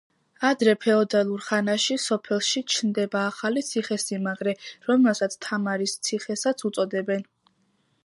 ადრე ფეოდალურ ხანაში სოფელში ჩნდება ახალი ციხე-სიმაგრე, რომელსაც თამარის ციხესაც უწოდებენ.